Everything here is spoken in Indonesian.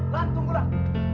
lan tunggu lan